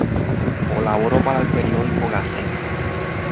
Colaboró para el periódico "Gazeta".